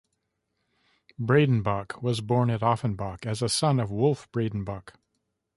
Breidenbach was born at Offenbach as a son of Wolf Breidenbach.